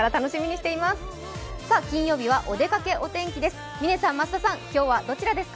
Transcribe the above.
金曜日は、お出かけお天気です。